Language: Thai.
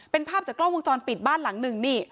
เป็นภาพจากกล้องวงจรปิดบ้านหลังหนึ่งนี่